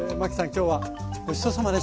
今日はごちそうさまでした。